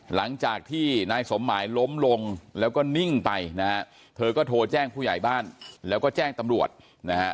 หลังจากที่นายสมหมายล้มลงแล้วก็นิ่งไปนะฮะเธอก็โทรแจ้งผู้ใหญ่บ้านแล้วก็แจ้งตำรวจนะฮะ